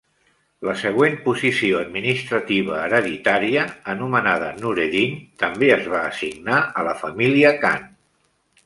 La següent posició administrativa hereditària, anomenada "nureddin," també es va assignar a la família khan.